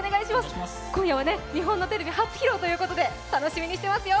今夜は日本のテレビで初披露ということで楽しみにしてますよ。